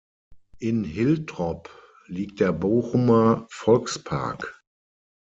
In Hiltrop liegt der Bochumer Volkspark.